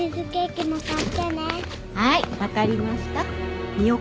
はいわかりました。